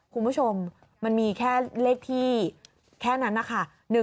คุณผู้ชมมันมีแค่เลขที่แค่นั้นนะคะ